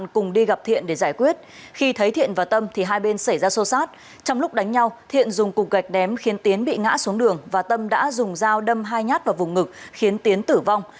công an tỉnh cao bằng và tâm đã dùng dao đâm hai nhát vào vùng ngực khiến tiến tử vong